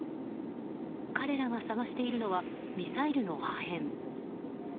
彼らが探しているのはミサイルの破片。